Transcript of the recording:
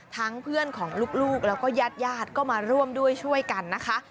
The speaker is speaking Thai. เพื่อนของลูกแล้วก็ญาติญาติก็มาร่วมด้วยช่วยกันนะคะ